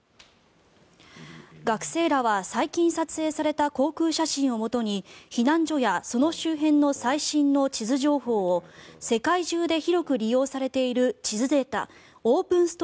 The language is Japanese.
学生らは最近撮影された航空写真をもとに避難所やその周辺の最新の地図情報を世界中で広く利用されている地図データオープン